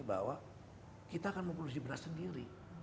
bahwa kita akan memproduksi beras sendiri